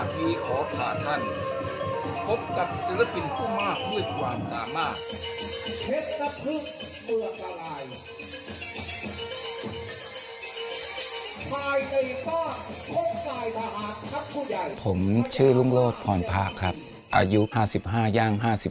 ผมชื่อรุงโลศพรพะครับอายุ๕๕ย่าง๕๖